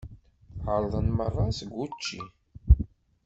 Ԑerḍen merra seg wučči.